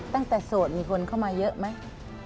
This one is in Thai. ตั้งแต่สดมีคนเข้ามาเยอะไหม